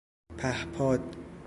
پهپاد